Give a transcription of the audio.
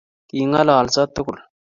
Kingololsoo tugul